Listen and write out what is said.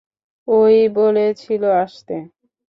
ও-ই বলেছিল আসতে।